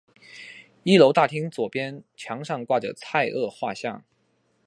一楼大厅左边墙上挂着蔡锷画像。